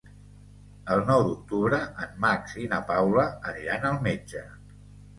El nou d'octubre en Max i na Paula aniran al metge.